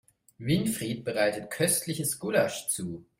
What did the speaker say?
Winfried bereitet köstliches Gulasch zu.